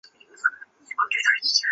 李元贞现定居花莲县。